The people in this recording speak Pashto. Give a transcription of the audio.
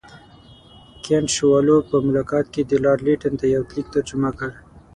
کنټ شووالوف په ملاقات کې لارډ لیټن ته یو لیک ترجمه کړ.